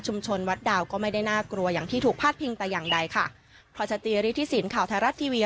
วัดดาวก็ไม่ได้น่ากลัวอย่างที่ถูกพาดพิงแต่อย่างใดค่ะพลอยชตรีฤทธิสินข่าวไทยรัฐทีวี